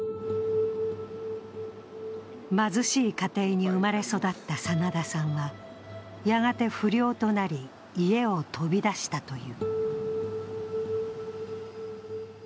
貧しい家庭に生まれ育った真田さんはやがて不良となり家を飛び出したという。